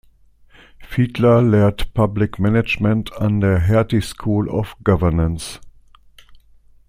Fiedler lehrt Public Management an der Hertie School of Governance.